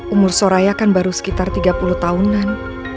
umur soraya kan baru sekitar tiga puluh tahunan